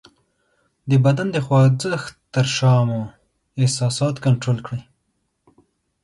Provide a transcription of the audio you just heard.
د بدن د خوځښت تر شا مو احساسات کنټرول کړئ :